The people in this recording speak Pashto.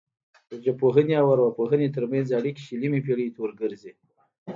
د ژبپوهنې او ارواپوهنې ترمنځ اړیکې شلمې پیړۍ ته ورګرځي